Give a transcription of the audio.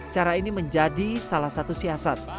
cara ini menjadi salah satu siasat